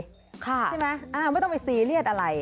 ใช่ไหมไม่ต้องไปซีเรียสอะไร